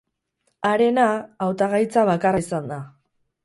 Harena hautagaitza bakarra izan da.